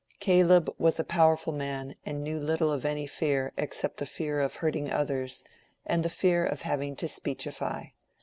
Caleb was a powerful man and knew little of any fear except the fear of hurting others and the fear of having to speechify.